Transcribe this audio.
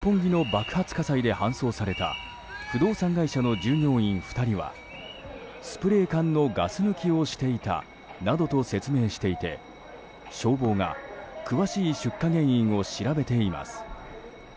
今日、東京・六本木の爆発火災で搬送された不動産会社の従業員２人はスプレー缶のガス抜きをしていたとなどと説明していて、消防が詳しい出火原因を調べています。